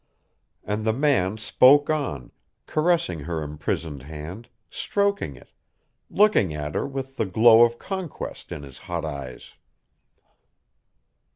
And the man spoke on, caressing her imprisoned hand, stroking it, looking at her with the glow of conquest in his hot eyes.